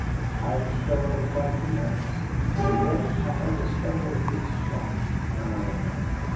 I was thoroughly frightened now, and yet I had the speculative Scotch mind.